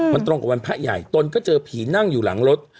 มันตรงกับวันพระใหญ่ตนก็เจอผีนั่งอยู่หลังรถ